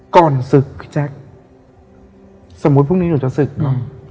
ก่อนศึกพี่แจ๊คสมมุติพรุ่งนี้หนูจะศึกเนอะ